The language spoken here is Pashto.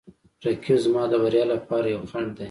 رقیب زما د بریا لپاره یو خنډ دی